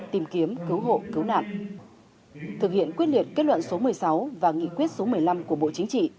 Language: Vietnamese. tìm kiếm cứu hộ cứu nạn thực hiện quyết liệt kết luận số một mươi sáu và nghị quyết số một mươi năm của bộ chính trị